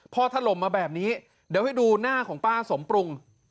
พอถล่มมาแบบนี้เดี๋ยวให้ดูหน้าของป้าสมปรุง